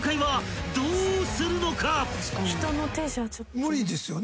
無理ですよね